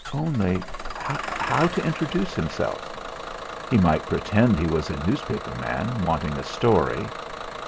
Only how to introduce himself? He might pretend he was a newspaper man wanting a story.